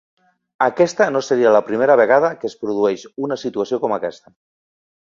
Aquesta no seria la primera vegada que es produeix una situació com aquesta.